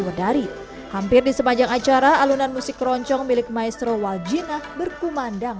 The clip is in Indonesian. wedari hampir di sepanjang acara alunan musik keroncong milik maestro waljina berkumandang